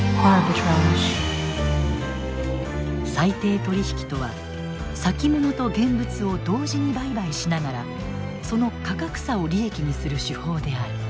裁定取引とは先物と現物を同時に売買しながらその価格差を利益にする手法である。